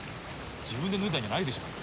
自分で脱いだんじゃないでしょう。